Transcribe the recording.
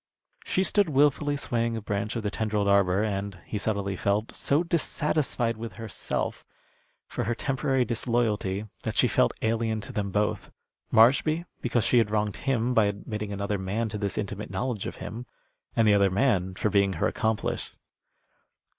She stood wilfully swaying a branch of the tendrilled arbor, and, he subtly felt, so dissatisfied with herself for her temporary disloyalty that she felt alien to them both: Marshby because she had wronged him by admitting another man to this intimate knowledge of him, and the other man for being her accomplice.